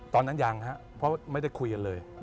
ตอนนั้นยังครับเพราะไม่ได้คุยกันเลย